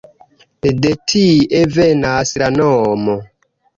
De tie venas la nomo.